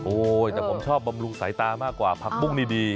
แต่ผมชอบบำรุงสายตามากกว่าผักบุ้งนี่ดี